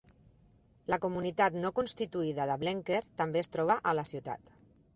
La comunitat no constituïda de Blenker també es troba a la ciutat.